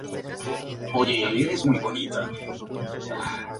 Cuenta con una escuela y un frigorífico.